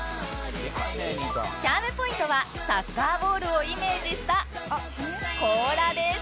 チャームポイントはサッカーボールをイメージした甲羅です